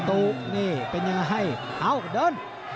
ตูบนี่เป็นยังไงเอาเดิน